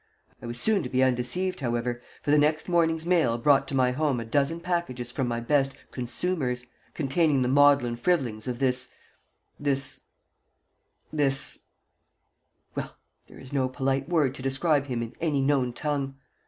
I was soon to be undeceived, however, for the next morning's mail brought to my home a dozen packages from my best "consumers," containing the maudlin frivolings of this this this well, there is no polite word to describe him in any known tongue.